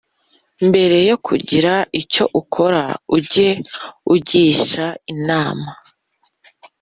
mbere yo kugira icyo ukora, ujye ugisha inama.